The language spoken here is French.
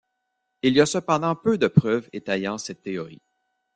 Il y a cependant peu de preuves étayant cette théorie.